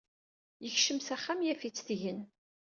Yekcem s axxam yaf-itt tgen.